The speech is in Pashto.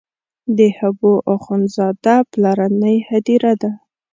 د حبو اخند زاده پلرنۍ هدیره ده.